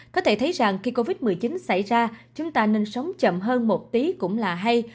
có thể thấy rằng khi covid một mươi chín xảy ra chúng ta nên sống chậm hơn một tí cũng là hay